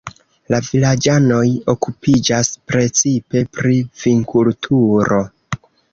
La vilaĝanoj okupiĝas precipe pri vinkulturo.